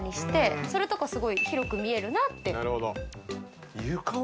それとかすごい広く見えるなって。